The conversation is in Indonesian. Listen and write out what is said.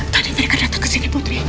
tadi mereka datang ke sini putri